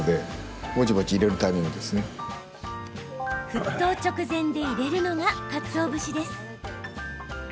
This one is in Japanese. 沸騰直前で入れるのがかつお節です。